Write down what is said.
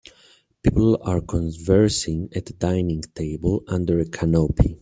People are conversing at a dining table under a canopy.